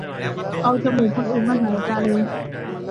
เอาจมูกคนอื่นมาหายใจ